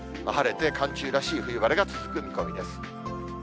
晴れて寒中らしい冬晴れが続く見込みです。